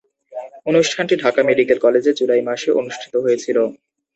অনুষ্ঠানটি ঢাকা মেডিকেল কলেজে জুলাই মাসে অনুষ্ঠিত হয়েছিলো।